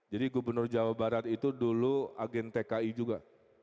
jadi gubernur jawa barat itu dulu agen tki juga